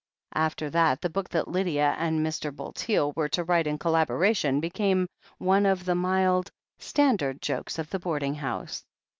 After that the book that Lydia and Mr. Bulteel were to write in collaboration became one of the mild, stand ard jokes of the boarding house.